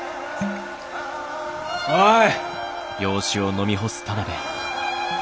おい！